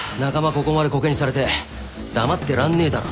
ここまでこけにされて黙ってらんねえだろ。